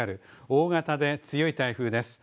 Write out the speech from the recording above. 大型で強い台風です。